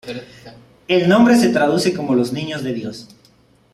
El nombre se traduce como "Los Niños de Dios".